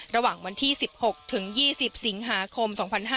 ระหว่างวันที่๑๖ถึง๒๐สิงหาคม๒๕๕๙